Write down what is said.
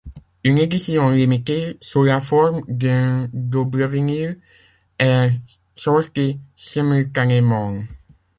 Une édition limitée, sous la forme d'un double vinyle, est sortie simultanément.